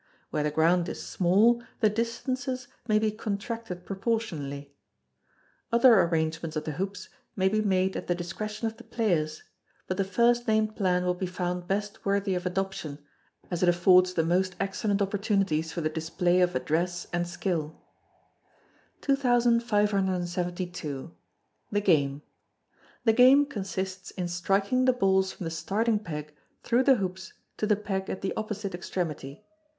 Where the ground is small, the distances may be contracted proportionally. Other arrangements of the hoops may he made at the discretion of the players, but the first named plan will be found best worthy of adoption, as it affords the most excellent opportunities for the display of address and skill. 2572. The Game. The game consists in striking the balls from the starting peg through the hoops to the peg at the opposite extremity.